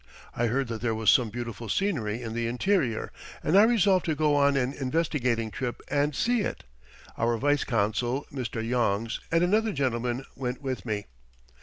I heard that there was some beautiful scenery in the interior, and I resolved to go on an investigating trip and see it. Our vice consul, Mr. Yongs, and another gentleman went with me.